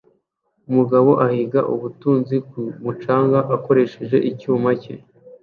Umugabo ahiga ubutunzi ku mucanga akoresheje icyuma cye